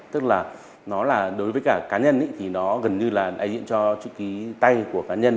tức là nó là đối với cả cá nhân thì nó gần như là đại diện cho chữ ký tay của cá nhân